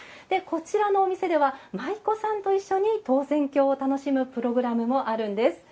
こちらのお店では舞妓さんと一緒に投扇興を楽しむプログラムもあるんです。